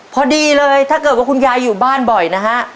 พอดีเลยถ้าเกิดว่าคุณยายอยู่บ้านบ่อยนะฮะ